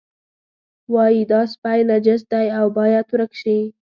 وایي دا سپی نجس دی او باید ورک شي.